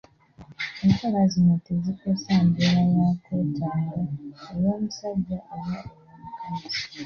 Enkola zino tezikosa mbeera ya kwegatta ey'omusajja oba ey'omukazi.